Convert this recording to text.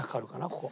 ここ。